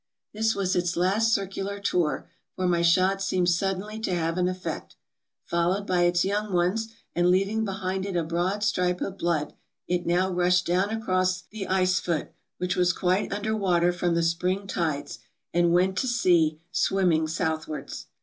"This was its last circular tour, for my shot seemed suddenly to have an effect. Followed by its young ones, and leaving behind it a broad stripe of blood, it now rushed down across the ice foot, which was quite under water from the spring tides, and went to sea, swimming southwards.